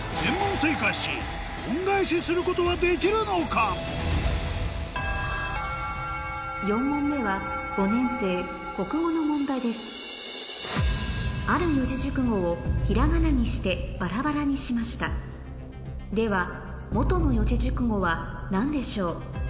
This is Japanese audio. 下積み時代から４問目は５年生国語の問題ですある四字熟語をひらがなにしてバラバラにしましたでは元の四字熟語は何でしょう？